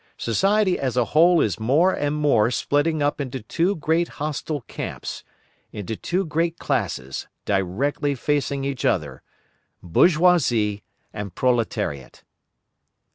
Society as a whole is more and more splitting up into two great hostile camps, into two great classes, directly facing each other: Bourgeoisie and Proletariat.